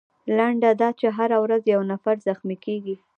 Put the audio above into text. لنډه دا چې هره ورځ یو نفر زخمي کیږي.